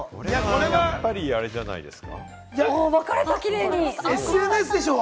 やっぱりあれじゃないですか？